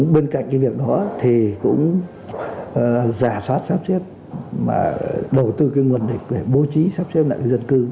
bên cạnh cái việc đó thì cũng giả soát sắp xếp mà đầu tư cái nguồn địch để bố trí sắp xếp lại dân cư